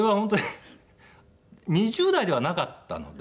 ２０代ではなかったので。